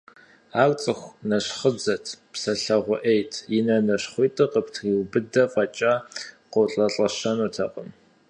Ар цӀыху нэщхъыдзэт, псэлъэгъуейт, и нэ нащхъуитӀыр къыптриубыдэ фӀэкӀа, къолӀэлӀэщэнутэкъым.